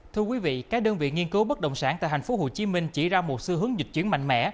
thưa quý vị các đơn vị nghiên cứu bất động sản tại thành phố hồ chí minh chỉ ra một sư hướng dịch chuyển mạnh mẽ